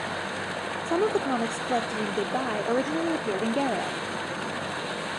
Some of the comics collected in "Good-Bye" originally appeared in "Garo".